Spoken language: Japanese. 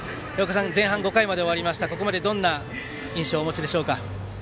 前半、５回まで終わってここまでどんな印象をお持ちですか。